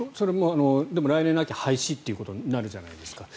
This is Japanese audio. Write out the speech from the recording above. でも来年の秋に廃止ということになるじゃないですか。